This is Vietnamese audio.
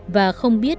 và không biết